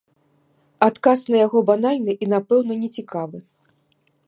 Адказ на яго банальны і, напэўна, нецікавы.